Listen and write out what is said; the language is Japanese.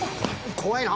怖いな。